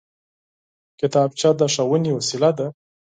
کتابچه د ښوونې وسېله ده